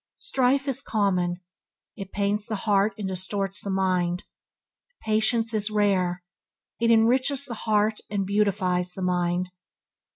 Strife is common: it pains the heart and distorts the mind. Patience is rare, it enriches the heart and beautifies the mind.